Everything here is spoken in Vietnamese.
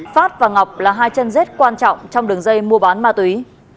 phát và ngọc là hai chân rết quan trọng trong đường dây mua bán ma túy